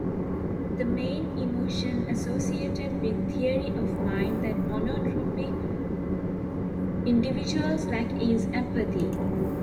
The main emotion associated with Theory of Mind that monotropic individuals lack is empathy.